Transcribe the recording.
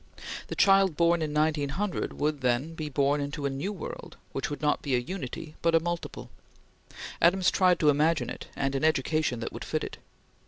The child born in 1900 would, then, be born into a new world which would not be a unity but a multiple. Adams tried to imagine it, and an education that would fit it.